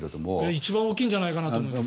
一番大きいんじゃないかなと思います。